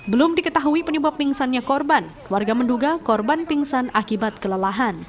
belum diketahui penyebab pingsannya korban warga menduga korban pingsan akibat kelelahan